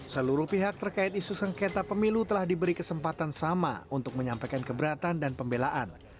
seluruh pihak terkait isu sengketa pemilu telah diberi kesempatan sama untuk menyampaikan keberatan dan pembelaan